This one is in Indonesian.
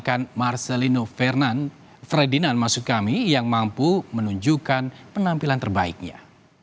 kedinaan masuk kami yang mampu menunjukkan penampilan terbaiknya